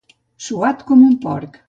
Suat com un porc.